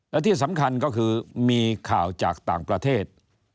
และที่สำคัญก็คือมีข่าวจากต่างประเทศ